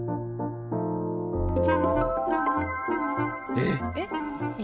えっ！